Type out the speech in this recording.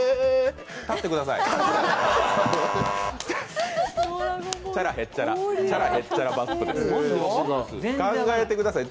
立ってください。